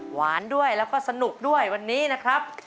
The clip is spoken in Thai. หวานด้วยแล้วก็สนุกด้วยวันนี้นะครับ